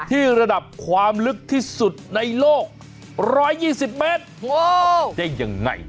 ที่ระดับความลึกที่สุดในโลกร้อยยี่สิบเมตรโหได้ยังไง